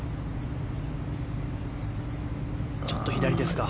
ちょっと左ですか。